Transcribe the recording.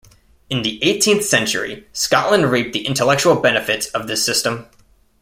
In the eighteenth century Scotland reaped the intellectual benefits of this system.